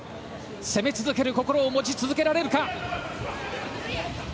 攻め続ける心を持ち続けられるか。